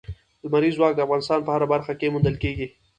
لمریز ځواک د افغانستان په هره برخه کې موندل کېږي.